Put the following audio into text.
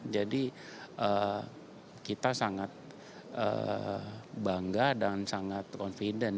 jadi kita sangat bangga dan sangat confident